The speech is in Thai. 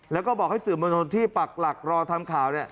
แล้วก็บอกให้สื่อมวลชนที่ปักหลักรอทำข่าว